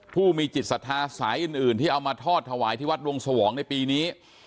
ผู้มีจิตศรัทธาสายอื่นที่เอามาทอดถวายที่วัดวงสวองในปีนี้